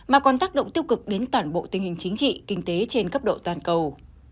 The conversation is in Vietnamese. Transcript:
mà còn tác động tiêu cực đến toàn bộ tình hình chính trị kinh tế trên cấp độ toàn cầu